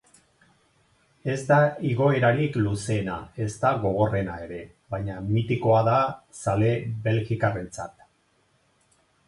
Ez da igoerarik luzeena ezta gogorrena ere, baina mitikoa da zale belgiarrentzat.